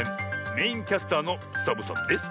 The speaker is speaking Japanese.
メインキャスターのサボさんです！